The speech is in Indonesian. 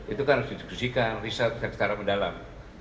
itu kan harus didiskusikan riset secara mendalam